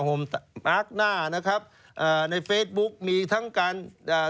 ห่มอาร์กหน้านะครับอ่าในเฟซบุ๊กมีทั้งการอ่า